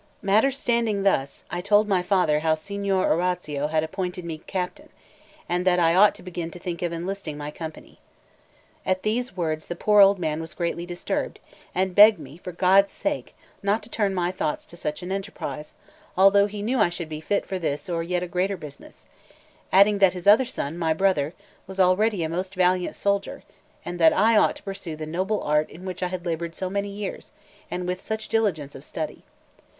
Matters standing thus, I told my father how Signor Orazio had appointed me captain, and that I ought to begin to think of enlisting my company. At these words the poor old man was greatly disturbed, and begged me for God's sake not to turn my thoughts to such an enterprise, although he knew I should be fit for this or yet a greater business, adding that his other son, my brother, was already a most valiant soldier, and that I ought to pursue the noble art in which I had laboured so many years and with such diligence of study.